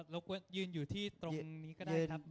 รบควรยืนอยู่ที่ตรงนี้ก็ได้ครับไม่เป็นไร